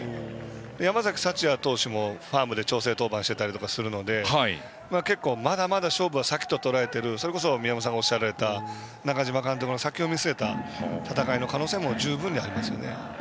山崎福也投手もファームで調整登板していたりするので結構、まだまだ勝負は先ととらえてそれこそ宮本さんがおっしゃった中嶋監督の先を見据えた戦いの可能性も十分ありますね。